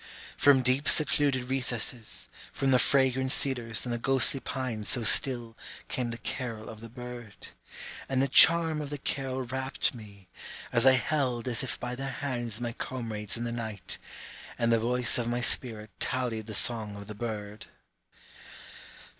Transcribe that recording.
From deep secluded recesses, From the fragrant cedars and the ghostly pines so still, Came the carol of the bird. And the charm of the carol rapt me, As I held as if by their hands my comrades in the night, And the voice of my spirit tallied the song of the bird.